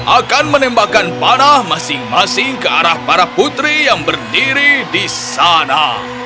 akan menembakkan panah masing masing ke arah para putri yang berdiri di sana